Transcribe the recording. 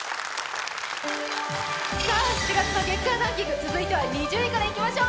７月の月間ランキング続いては２０位からいきましょう！